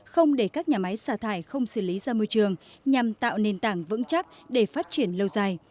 không để các nhà máy xả thải không xử lý ra môi trường nhằm tạo nền tảng vững chắc để phát triển lâu dài